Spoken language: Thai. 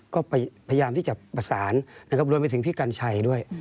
ก็พยายามที่จะประสานนะครับรวมไปถึงพี่กัญชัยด้วย